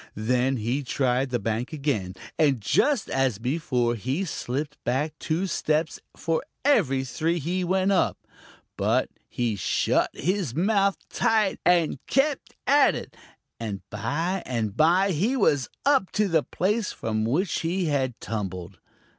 Then he tried the bank again, and just as before he slipped back two steps for every three he went up. But he shut his mouth tight and kept at it, and by and by he was up to the place from which he had tumbled.